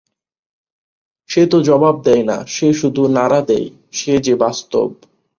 সে তো জবাব দেয় না, সে শুধু নাড়া দেয়–সে যে বাস্তব।